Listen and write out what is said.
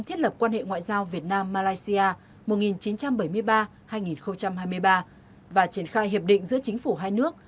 thiết lập quan hệ ngoại giao việt nam malaysia một nghìn chín trăm bảy mươi ba hai nghìn hai mươi ba và triển khai hiệp định giữa chính phủ hai nước